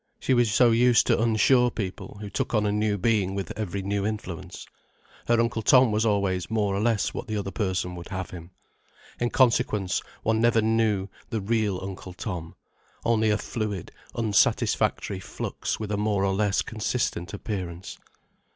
She was so used to unsure people who took on a new being with every new influence. Her Uncle Tom was always more or less what the other person would have him. In consequence, one never knew the real Uncle Tom, only a fluid, unsatisfactory flux with a more or less consistent appearance.